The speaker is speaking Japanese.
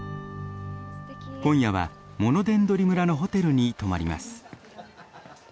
今夜はモノデンドリ村のホテルに泊まります。